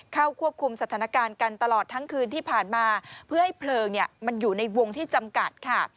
เข้าควบคุมสถานการณ์กันตลอดทั้งคืนที่ผ่านมาเพื่อให้เพลิงมันอยู่ในวงที่จำกัดค่ะ